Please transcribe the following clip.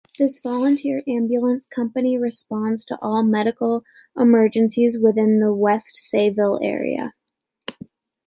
This volunteer ambulance company responds to all medical emergencies within the West Sayville area.